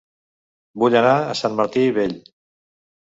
Vull anar a Sant Martí Vell